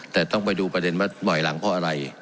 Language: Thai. แต่ต้องไปดูประเด็นว่าบ่อยหลังเพราะอะไร